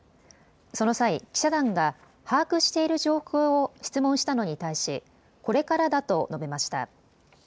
その際、記者団が把握している情報を質問したのに対しこれからだと述べました。